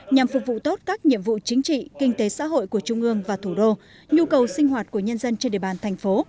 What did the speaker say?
nhằm phục vụ tốt các nhiệm vụ chính trị kinh tế xã hội của trung ương và thủ đô nhu cầu sinh hoạt của nhân dân trên địa bàn thành phố